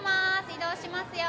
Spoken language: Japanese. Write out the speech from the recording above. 移動しますよ。